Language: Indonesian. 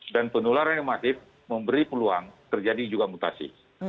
dan penularan yang massif memberi peluang terjadi juga mutasi